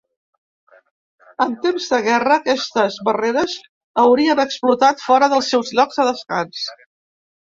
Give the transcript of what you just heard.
En temps de guerra, aquestes barreres haurien explotat fora dels seus llocs de descans.